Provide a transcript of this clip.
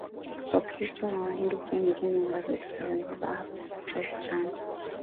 Wakristo na wahindu pia ni dini ambazo zipo Zanzibar japo kwa uchache Sana